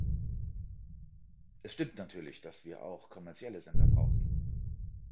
Es stimmt natürlich, dass wir auch kommerzielle Sender brauchen.